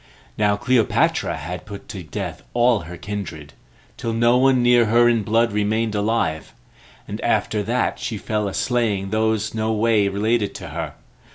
Now Cleopatra had put to death all her kindred, till no one near her in blood remained alive, and after that she fell a slaying those no way related to her.